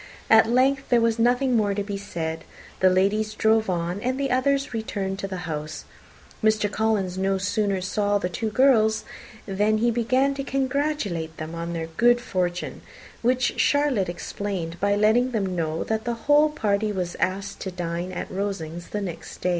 At length there was nothing more to be said; the ladies drove on, and the others returned into the house. Mr. Collins no sooner saw the two girls than he began to congratulate them on their good fortune, which Charlotte explained by letting them know that the whole party was asked to dine at Rosings the next day.